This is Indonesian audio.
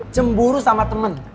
cemburu sama temen